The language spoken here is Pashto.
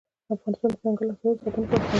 افغانستان د دځنګل حاصلات د ساتنې لپاره قوانین لري.